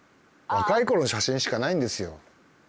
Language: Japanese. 若いころの写真しかないんですよ。